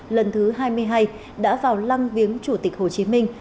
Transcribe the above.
lần thứ hai mươi hai đã vào lăng viếng chủ tịch hồ chí minh